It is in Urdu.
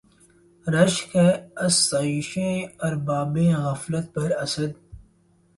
رشک ہے آسایشِ اربابِ غفلت پر اسد!